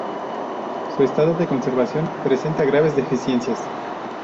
Su estado de conservación presenta graves deficiencias.